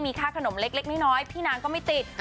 ค่าขนมเล็กน้อยพี่นางก็ไม่ติด